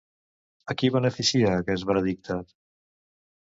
A qui beneficia aquest veredicte?